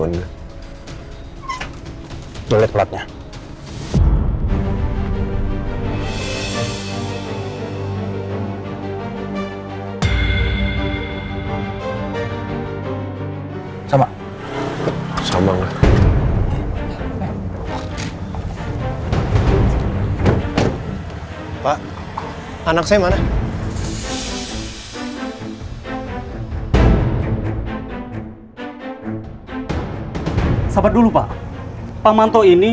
nanti kalau ibu nanti nanti serempet buat macam ini